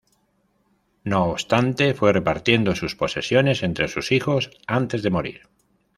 No obstante, fue repartiendo sus posesiones entre sus hijos antes de morir.